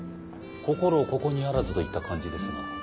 心ここにあらずといった感じですが。